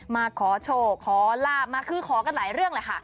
มาขอโชคขอลาบมาคือขอกันหลายเรื่องแหละค่ะ